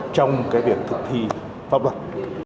trong cái việc thực thi pháp luật